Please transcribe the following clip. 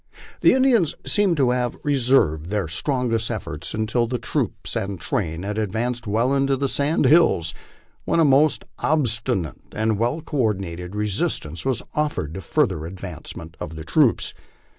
The Indians seemed to have reserved their strongest efforts until the troops and train had advanced well into the sand hills, when a most obstinate and well conducted resistance was offered to the further advance of the troops.